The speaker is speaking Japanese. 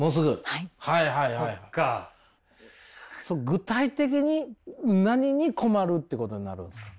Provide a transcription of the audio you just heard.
具体的に何に困るっていうことになるんですか？